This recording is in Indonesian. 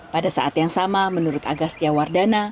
pada saat yang sama menurut agastia wardana